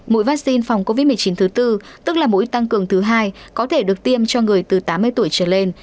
mũi vaccine phòng covid một mươi chín thứ tư tức là mũi tăng cường thứ hai có thể được tiêm cho người từ tám mươi tuổi trở lên